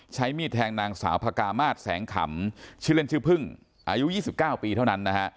ใช้มีดแทงนางสาวพกามาศแสงขำชื่อเล่นชื่อพึ่งอายุ๒๙ปีเท่านั้นนะฮะ